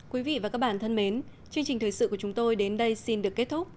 quý vị và các bạn thân mến chương trình thời sự của chúng tôi đến đây xin được kết thúc